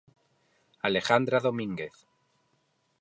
Alejandra Domínguez.